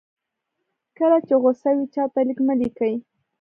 کله چې غوسه وئ چاته لیک مه لیکئ.